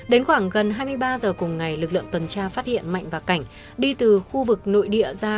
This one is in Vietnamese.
đến khoảng gần hai mươi ba h cùng ngày lực lượng tuần tra phát hiện mạnh và cảnh đi từ khu vực nội địa ra